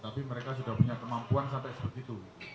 tapi mereka sudah punya kemampuan sampai seperti itu